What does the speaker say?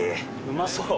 うまそう。